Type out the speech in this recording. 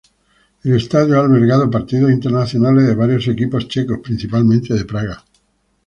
El estadio ha albergado partidos internacionales de varios equipos checos, principalmente de Praga.